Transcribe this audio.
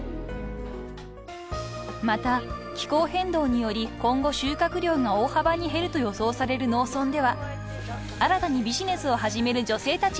［また気候変動により今後収穫量が大幅に減ると予想される農村では新たにビジネスを始める女性たちをサポート］